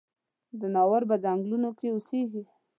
ځناور پۀ ځنګلونو کې اوسيږي.